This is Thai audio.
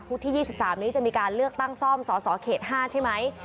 ที่๒๓นี้จะมีการเลือกตั้งซ่อมสสเขต๕ใช่ไหม